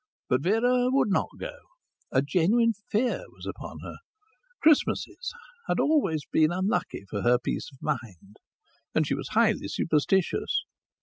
But Vera would not go. A genuine fear was upon her. Christmases had always been unlucky for her peace of mind. And she was highly superstitious.